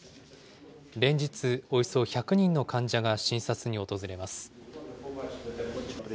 連日、およそ１００人の患者が診察に訪れます。